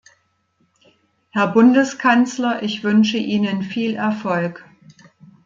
Herr Bundeskanzler, ich wünsche Ihnen viel Erfolg!